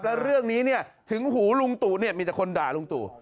แล้วเรื่องนี้เนี่ยถึงหูลุงตู่เนี่ยมีแต่คนด่าลุงตู่